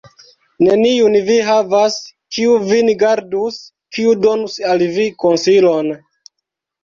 Neniun vi havas, kiu vin gardus, kiu donus al vi konsilon.